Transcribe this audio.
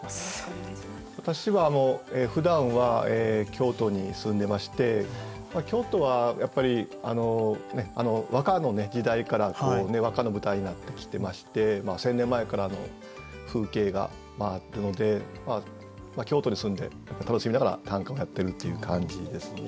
私はふだんは京都に住んでまして京都はやっぱり和歌の時代から和歌の舞台になってきてまして１，０００年前からの風景があるので京都に住んで楽しみながら短歌をやってるっていう感じですね。